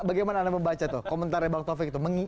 bagaimana anda membaca komentarnya bang taufik itu